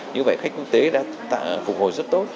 như vậy khách quốc tế đã phục hồi rất tốt